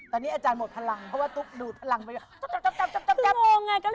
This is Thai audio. ตอนนี้อาจารย์หมดพลังเพราะว่าตุ๊กดูดพลังไปเยอะ